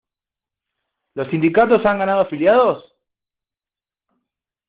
¿Los sindicatos han ganado afiliados?